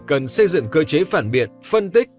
cần xây dựng cơ chế phản biệt phân tích